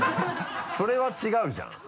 それは違うじゃん。